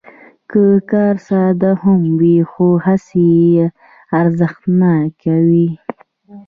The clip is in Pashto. که کار ساده هم وي، خو هڅې یې ارزښتناکوي.